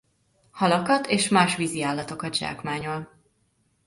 Halakat és más vízi állatokat zsákmányol.